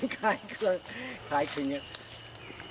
กลิ่นมันคล้ายคลิ่นอย่างนี้